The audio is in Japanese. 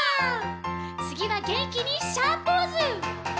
「つぎは元気にシャーポーズ！」